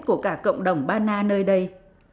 của cả cộng đồng ba na nơi đây